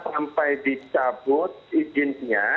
sampai dicabut izinnya